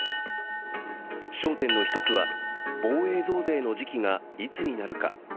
焦点の１つは防衛増税の時期がいつになるか。